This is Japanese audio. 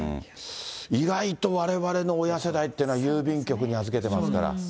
意外とわれわれの親世代っていうのは、郵便局に預けてますか